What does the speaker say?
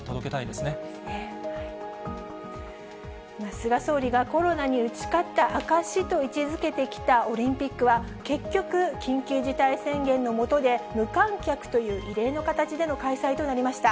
菅総理がコロナに打ち勝った証しと位置づけてきたオリンピックは、結局、緊急事態宣言の下で無観客という異例の形での開催となりました。